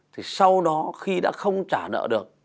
thì sau đó khi đã không trả nợ được